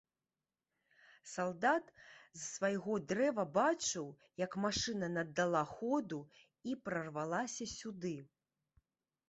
Салдат з свайго дрэва бачыў, як машына наддала ходу і прарвалася сюды.